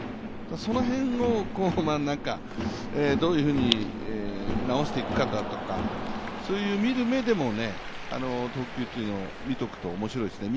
その辺をどういうふうに直していくかだとか、そういう見る目でも、投球っていうのを見ておくと面白いですね。